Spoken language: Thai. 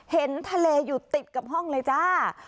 เห็นทะเลอยู่ติดกับห้องเลยจ้า